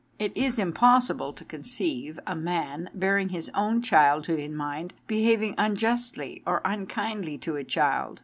It is impossible to conceive a man, bear ing his own childhood in mind, behaving unjustly or unkindly to a child.